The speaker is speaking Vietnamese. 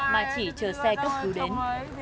mà chỉ chờ xe cấp cứu đến